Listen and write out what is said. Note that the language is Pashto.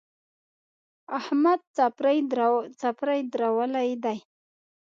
احمد څپری درولی دی.